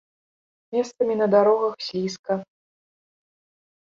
Месцамі на дарогах слізка.